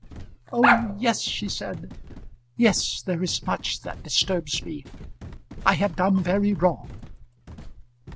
"Oh yes," she said, "yes; there is much that disturbs me. I have done very wrong."